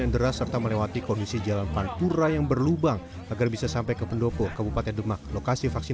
di datang di pendopo demak